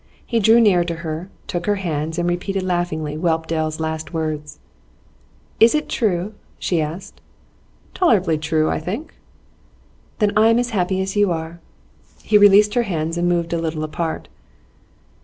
He drew near to her, took her hands, and repeated laughingly Whelpdale's last words. 'Is it true?' she asked. 'Tolerably true, I think.' 'Then I am as happy as you are.' He released her hands, and moved a little apart.